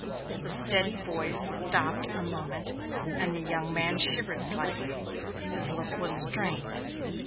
The steady voice stopped a moment and the young man shivered slightly; his look was strained.